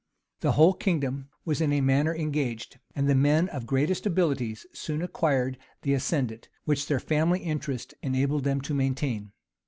The whole kingdom was in a manner engaged, and the men of greatest abilities soon acquired the ascendant, which their family interest enabled them to maintain.